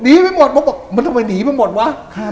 หนีไปหมดเพราะบอกมันทำไมหนีไปหมดวะค่ะ